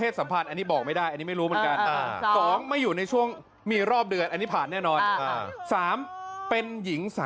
จนต้องมาทำวิธีถอนตะไคร้ออกนะ